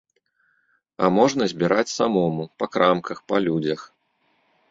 А можна збіраць самому, па крамках, па людзях.